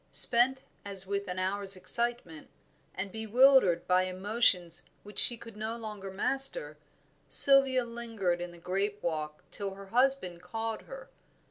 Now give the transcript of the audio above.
Spent as with an hour's excitement, and bewildered by emotions which she could no longer master, Sylvia lingered in the grape walk till her husband called her.